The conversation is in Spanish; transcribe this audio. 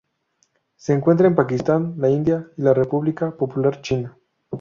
Se encuentra en el Pakistán, la India y la República Popular China.